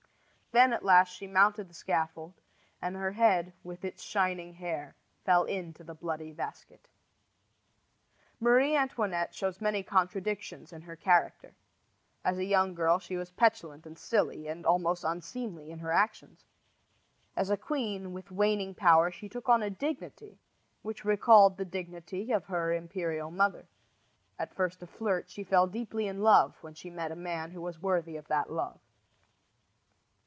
Then, at last, she mounted the scaffold, and her head, with its shining hair, fell into the bloody basket. Marie Antoinette shows many contradictions in her character. As a young girl she was petulant and silly and almost unseemly in her actions. As a queen, with waning power, she took on a dignity which recalled the dignity of her imperial mother. At first a flirt, she fell deeply in love when she met a man who was worthy of that love.